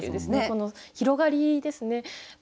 この広がりですね